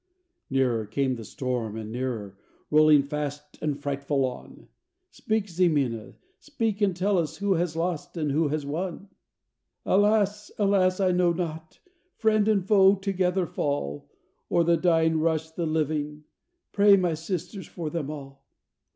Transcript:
Nearer came the storm and nearer, rolling fast and frightful on; Speak, Ximena, speak and tell us who has lost and who has won? "Alas, alas! I know not, friend and foe together fall, O'er the dying rush the living; pray my Sisters for them all."